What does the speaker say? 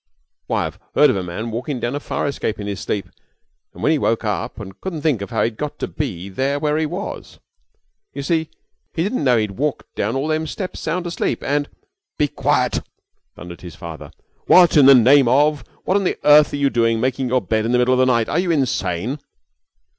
Why, I've heard of a man walkin' down a fire escape in his sleep, and then he woke up and couldn't think how he'd got to be there where he was. You see, he didn't know he'd walked down all them steps sound asleep, and " "Be quiet," thundered his father. "What in the name of what on earth are you doing making your bed in the middle of the night? Are you insane?"